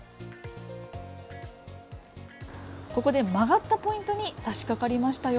ここで曲がったポイントに差し掛かりましたよ。